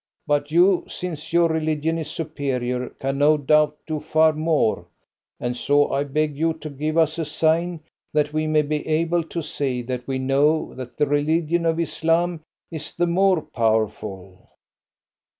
But you, since your religion is superior, can no doubt do far more, and so I beg you to give us a sign that we may be able to say that we know that the religion of Islam is the more powerful."